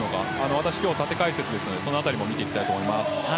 私は今日縦解説なのでその辺りも見ていきたいと思います。